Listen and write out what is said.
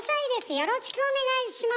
よろしくお願いします。